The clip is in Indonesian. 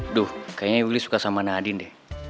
aduh kayaknya willy suka sama nadine deh